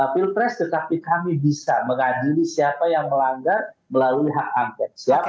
pilpres tetapi kami bisa mengadili siapa yang melanggar melalui hak angket siapa